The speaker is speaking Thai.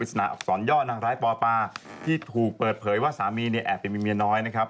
อักษรย่อนางร้ายปอปาที่ถูกเปิดเผยว่าสามีเนี่ยแอบไปมีเมียน้อยนะครับ